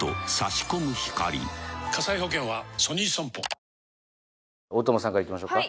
三菱電機大友さんからいきましょうか。